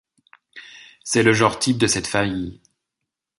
C'est le genre-type de cette famille.